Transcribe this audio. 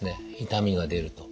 痛みが出ると。